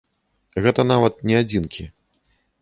Гэта нават не адзінкі.